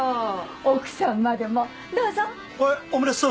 奥さんまでもう。